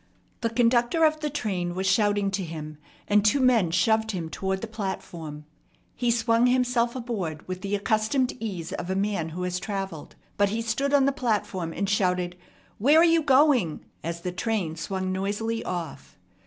The conductor of the train was shouting to him, and two men shoved him toward the platform. He swung himself aboard with the accustomed ease of a man who has travelled; but he stood on the platform, and shouted, "Where are you going?" as the train swung noisily off.